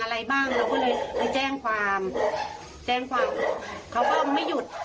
อะไรบ้างเราก็เลยไปแจ้งความแจ้งความเขาก็ไม่หยุด